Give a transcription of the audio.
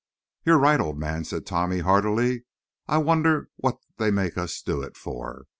"You're right, old man," said Tommy, heartily. "I wonder what they make us do it for?